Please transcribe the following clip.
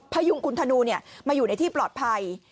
พยุงคุณธนูมาอยู่ในที่ปลอดภัย